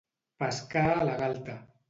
Pescar a la gaita.